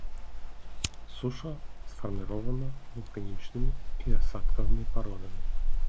Суша сфарміравана вулканічнымі і асадкавымі пародамі.